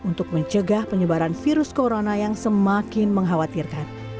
untuk mencegah penyebaran virus corona yang semakin mengkhawatirkan